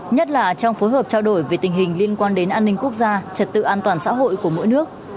nhất là trong phối hợp trao đổi về tình hình liên quan đến an ninh quốc gia trật tự an toàn xã hội của mỗi nước